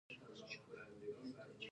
سخت باران ورېده، د سهار درې بجې به وې.